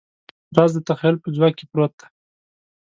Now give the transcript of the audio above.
راز د تخیل په ځواک کې پروت دی.